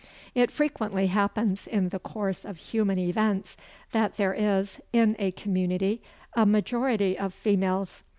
It frequently happens, in the course of human events, that there is, in a community, a majority of females.